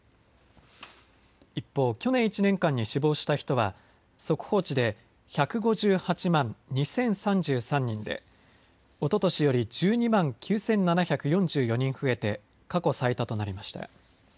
一方、去年１年間に死亡した人は速報値で１５８万２０３３人でおととしより１２万９７４４人増えて過去最多となりました。